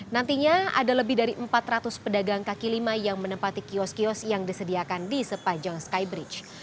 nantinya ada lebih dari empat ratus pedagang kaki lima yang menempati kios kios yang disediakan di sepanjang skybridge